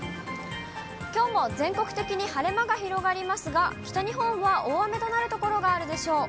きょうも全国的に晴れ間が広がりますが、北日本は大雨となる所があるでしょう。